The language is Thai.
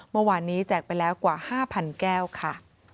เมื่อวานนี้แจกไปแล้วกว่า๕๐๐แก้วค่ะ